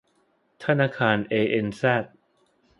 ธนาคารเอเอ็นแซด